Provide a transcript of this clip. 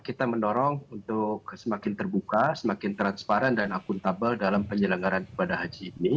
kita mendorong untuk semakin terbuka semakin transparan dan akuntabilitas